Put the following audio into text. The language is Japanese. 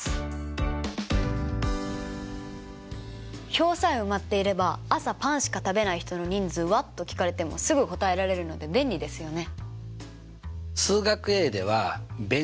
表さえ埋まっていれば「朝パンしか食べない人の人数は？」と聞かれてもすぐ答えられるので便利ですよね。